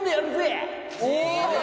いいね！